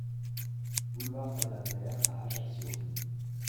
Boulevard Madame Mère à Ajaccio